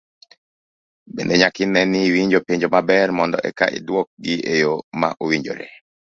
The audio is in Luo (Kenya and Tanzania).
Bende nyaka ine ni iwinjo penjo maber mondo eka iduok gi eyo ma owinjore.